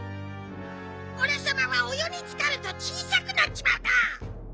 おれさまはお湯につかると小さくなっちまうんだ！